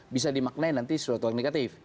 bisa dimaknai nanti sesuatu yang negatif